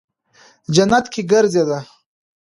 جنت کې گرځېده.